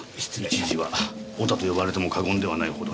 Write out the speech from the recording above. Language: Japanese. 一時は「ヲタ」と呼ばれても過言ではないほどに。